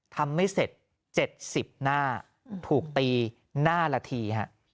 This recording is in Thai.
ไม่เสร็จ๗๐หน้าถูกตีหน้าละที